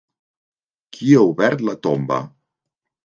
Qui ha obert la tomba?